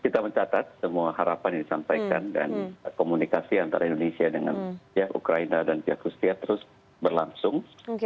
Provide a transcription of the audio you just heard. kita mencatat semua harapan yang disampaikan dan komunikasi antara indonesia dengan ukraina dan pihak rusia terus berlangsung